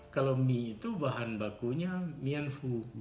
kalau mie itu bahan bakunya mian fu